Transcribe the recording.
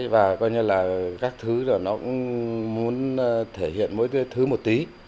và coi như là các thứ rồi nó cũng muốn thể hiện mỗi thứ một tí